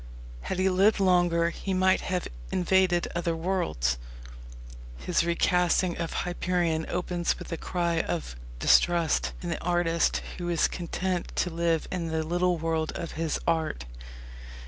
Had he lived longer he might have invaded other worlds. His recasting of Hyperion opens with a cry of distrust in the artist who is content to live in the little world of his art.